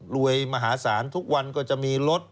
รวยมหาสารทุกวันก็จะมีรถ